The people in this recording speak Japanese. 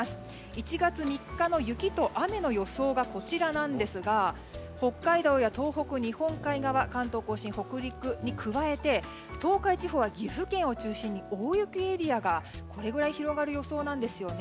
１月３日の雪と雨の予想がこちらなんですが北海道や東北日本海側関東・甲信、北陸に加えて東海地方は岐阜県を中心に大雪エリアがこれぐらい広がる予想なんですよね。